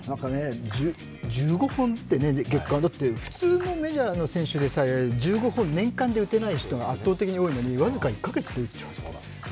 １５本って、月間って、普通のメジャーの選手でさえ１５本年間で打てない選手が圧倒的に多いのに僅か１か月で売っちゃう。